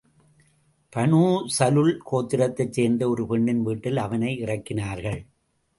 Banu ஸலுல் கோத்திரத்தைச் சேர்ந்த ஒரு பெண்ணின் வீட்டில் அவனை இறக்கினார்கள்.